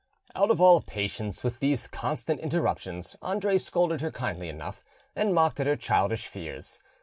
Out of all patience with these constant interruptions, Andre scolded her kindly enough, and mocked at her childish fears.